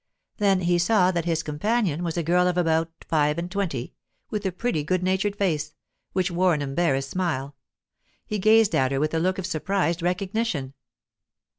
Then he saw that his companion was a girl of about five and twenty, with a pretty, good natured face, which wore an embarrassed smile. He gazed at her with a look of surprised recognition.